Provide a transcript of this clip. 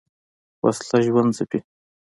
وسله ژوند ځپي